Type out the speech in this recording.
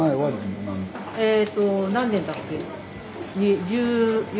えと何年だっけ？